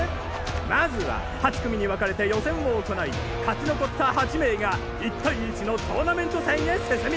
まずは８組に分かれて予選を行い勝ち残った８名が一対一のトーナメント戦へ進みます！